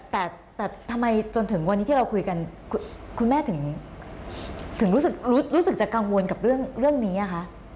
แต่ทำไมจนถึงวันนี้ที่เราคุยกันคุณแม่ถึงรู้สึกจะกังวลกับเรื่องนี้อะคะ